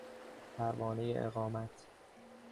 پروانهی اقامت